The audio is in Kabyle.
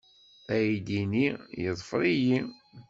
Aydi-nni yeḍfer-iyi.